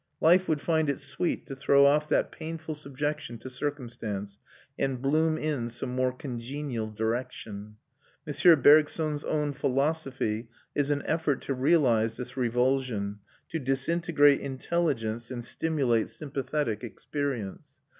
Life would find it sweet to throw off that painful subjection to circumstance and bloom in some more congenial direction. M. Bergson's own philosophy is an effort to realise this revulsion, to disintegrate intelligence and stimulate sympathetic experience.